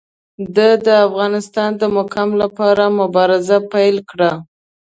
ده د افغانستان د مقام لپاره مبارزه پیل کړه.